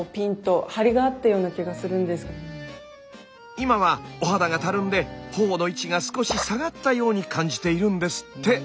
今はお肌がたるんで頬の位置が少し下がったように感じているんですって。